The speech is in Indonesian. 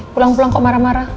pulang pulang kok marah marah